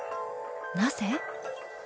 なぜ？